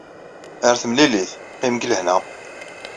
Ar timlilit, qqim deg lehna.